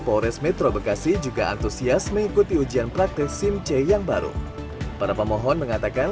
polres metro bekasi juga antusias mengikuti ujian praktek simc yang baru para pemohon mengatakan